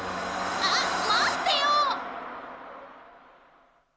ああっまってよ！